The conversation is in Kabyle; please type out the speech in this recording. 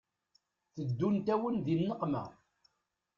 Teddunt-awen di nneqma